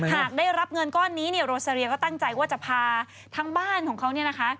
หากได้รับเงินก้อนนี้โรเสรียก็ตั้งใจว่าจะพาทั้งบ้านของเขา